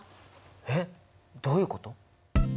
えっどういうこと？